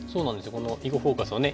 この「囲碁フォーカス」をね